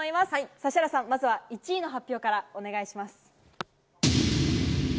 指原さん、まずは１位の発表からお願いします。